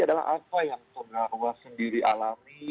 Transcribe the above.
apa yang terdakwa sendiri alami